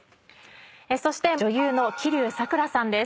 そして女優の吉柳咲良さんです。